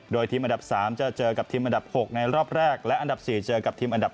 โดยทีมอันดับ๓จะเจอกับทีมอันดับ๖ในรอบแรกและอันดับ๔เจอกับทีมอันดับ